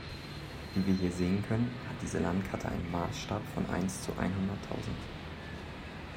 Wie wir hier sehen können, hat diese Landkarte einen Maßstab von eins zu einhunderttausend.